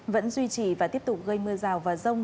vẫn duy trì và tiếp tục gây mưa rào và rông